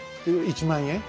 １万円。